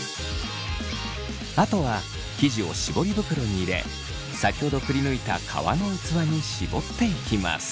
あとは生地を絞り袋に入れ先ほどくりぬいた皮の器に絞っていきます。